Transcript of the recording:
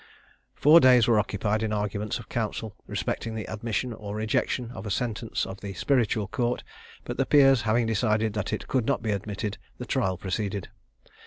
Four days were occupied in arguments of counsel respecting the admission or rejection of a sentence of the Spiritual Court; but the peers having decided that it could not be admitted, the trial proceeded.